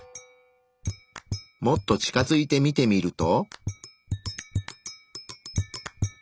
もっと近づいて見てみると。